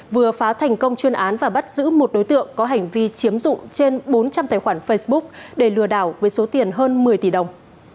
vừa phá thành công chuyên án và bắt giữ một đối tượng có hành vi chiếm dụng trên bốn trăm linh tài khoản facebook để lừa đảo với số tiền hơn một mươi tỷ đồng